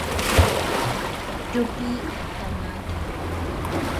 Tyopi kamake.